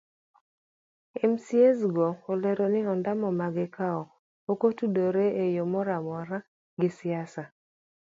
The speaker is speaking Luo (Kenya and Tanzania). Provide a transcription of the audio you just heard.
Mcas go olero ni ondamo magikawo ok otudore eyo moro amora gi siasa.